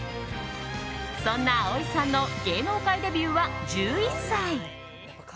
そんな葵さんの芸能界デビューは１１歳。